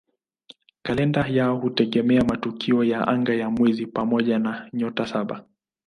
Kalenda yao hutegemea matukio ya anga ya mwezi pamoja na "Nyota Saba".